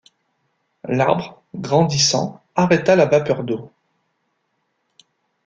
L’arbre, grandissant, arrêta la vapeur d’eau.